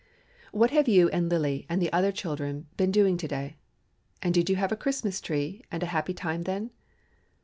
"What have you and Lillie and the other little children been doing to day? And did you have a Christmas tree and a happy time then?